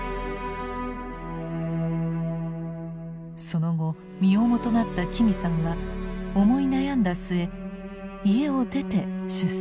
その後身重となった紀美さんは思い悩んだすえ家を出て出産します。